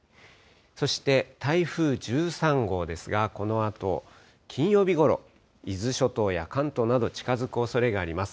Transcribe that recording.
そして、台風１３号ですが、このあと金曜日ごろ、伊豆諸島や関東など、近づくおそれがあります。